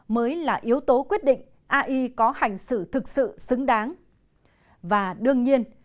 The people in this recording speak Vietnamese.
mới là yếu tố quyết định ai có hành xử thực sự xứng đáng và đương nhiên